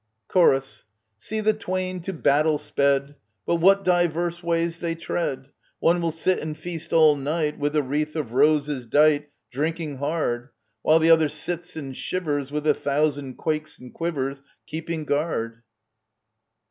Chorus. See the twain to battle sped. But what diverse ways they tread ! One will sit and feast all night With a wreath of roses dight Drinking hard;. While the other sits and shivers With a thousand quakes and quivers, Keeping guard